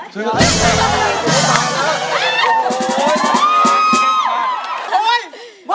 ซื้อกางเกงมาใส่ก่อน